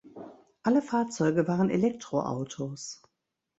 Alle Fahrzeuge waren Elektroautos.